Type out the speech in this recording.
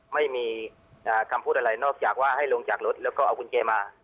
ไม่มีคำพูดอะไรนอกจากว่าให้ลงจากรถแล้วก็เอากุญแจมา